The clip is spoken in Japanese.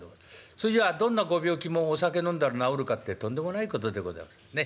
そいじゃどんなご病気もお酒飲んだら治るかってとんでもないことでございますね。